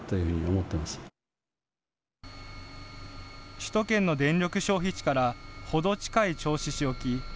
首都圏の電力消費地から程近い銚子市沖。